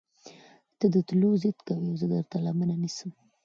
تۀ د تلو ضد کوې اؤ زۀ درته لمنه نيسم